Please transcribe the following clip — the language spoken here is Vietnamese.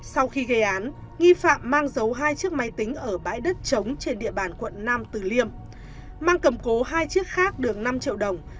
sau khi gây án nghi phạm mang giấu hai chiếc máy tính ở bãi đất trống trên địa bàn quận năm từ liêm mang cầm cố hai chiếc khác được năm triệu đồng